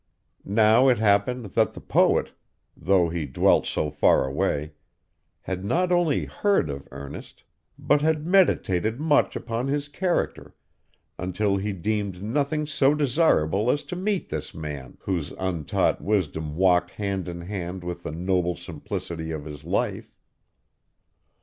Now it happened that the poet, though he dwelt so far away, had not only heard of Ernest, but had meditated much upon his character, until he deemed nothing so desirable as to meet this man, whose untaught wisdom walked hand in hand with the noble simplicity of his life.